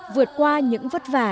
vượt qua những vất vả